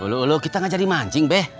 ulu ulu kita gak jadi mancing beh